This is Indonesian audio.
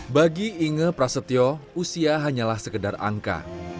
bagi inge prasetyo usia hanyalah sekedar angka